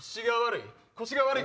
腰が悪い？